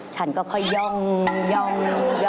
ฉันก็ค่อยย่อง